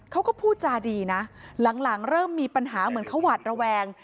เขาก็พูดจาดีนะหลังเริ่มมีปัญหาเหมือนเขาหวาดระแวง